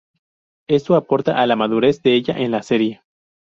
Esto aporta a la madurez de ella en la serie.